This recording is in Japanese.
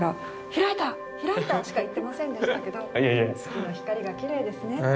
開いた！」しか言ってませんでしたけど「月の光がきれいですね」